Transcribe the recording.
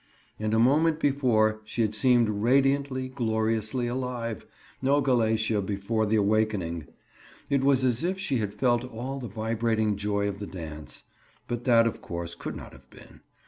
And a moment before she had seemed radiantly, gloriously alive—no Galatea before the awakening! It was as if she had felt all the vibrating joy of the dance. But that, of course, could not have been.